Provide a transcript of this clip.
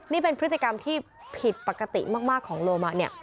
นี่เป็นพฤติกรรมที่ผิดปกติมากของโลมะเนี่ย